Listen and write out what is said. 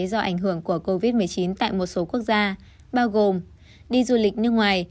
do ảnh hưởng của covid một mươi chín tại một số quốc gia bao gồm đi du lịch nước ngoài